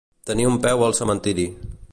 Tenir un peu al cementiri.